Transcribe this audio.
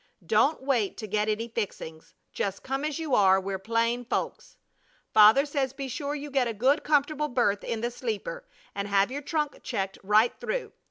Don't wait to get any fixings. Just come as you are. We're plain folks. Father says be sure you get a good, comfortable berth in the sleeper, and have your trunk checked right through.